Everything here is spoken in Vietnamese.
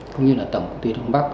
cũng như tổng công ty đông bắc